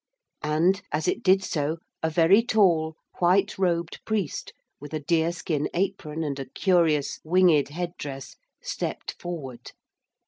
And, as it did so, a very tall, white robed priest with a deer skin apron and a curious winged head dress stepped forward.